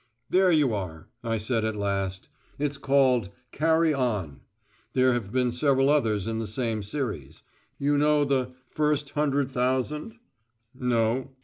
"There you are," I said at last. "It's called 'Carry On'; there have been several others in the same series. You know the 'First Hundred Thousand'?" "No."